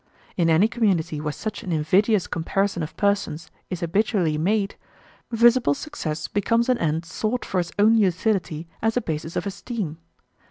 In any community where such an invidious comparison of persons is habitually made, visible success becomes an end sought for its own utility as a basis of esteem.